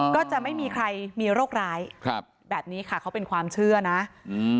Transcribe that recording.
ก็จะไม่มีใครมีโรคร้ายครับแบบนี้ค่ะเขาเป็นความเชื่อนะอืม